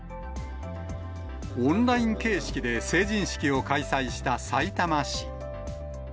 オンライン形式で成人式を開催したさいたま市。